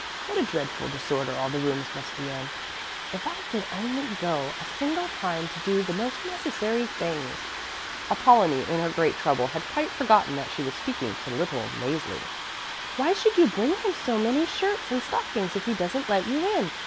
What a dreadful disorder all the rooms must be in! If I could only go a single time to do the most necessary things!" Apollonie in her great trouble had quite forgotten that she was speaking to little Mäzli. "Why should you bring him so many shirts and stockings if he doesn't let you in?